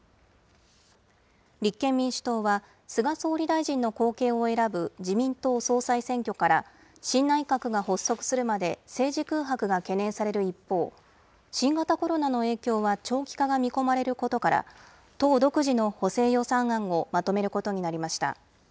立憲民主党は、菅総理大臣の後継を選ぶ自民党総裁選挙から、新内閣が発足するまで政治空白が懸念される一方、新型コロナの影響は長期化が見込まれることから、党独自の補正予算案をまとめることになりました。